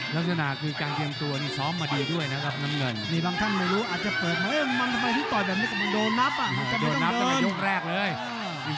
เพราะเร่งแล้วไม่สามารถกดขึ้นต่อซึ่งได้